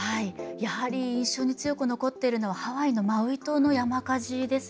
やはり印象に強く残ってるのはハワイのマウイ島の山火事ですね。